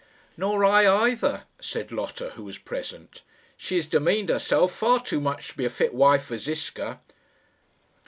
"Nor I either," said Lotta, who was present. "She has demeaned herself far too much to be a fit wife for Ziska."